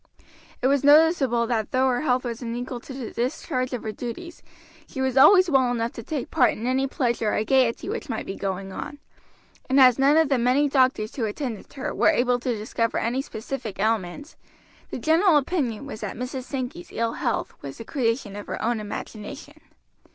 It was noticeable that though her health was unequal to the discharge of her duties, she was always well enough to take part in any pleasure or gayety which might be going on; and as none of the many doctors who attended her were able to discover any specific ailment, the general opinion was that Mrs. Sankey's ill health was the creation of her own imagination.